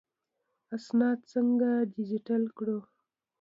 اسناد څنګه ډیجیټل کړو؟